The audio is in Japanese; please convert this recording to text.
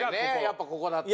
やっぱここだった。